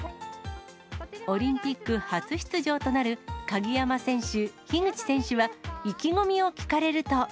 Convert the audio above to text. オリンピック初出場となる、鍵山選手、樋口選手は、意気込みを聞かれると。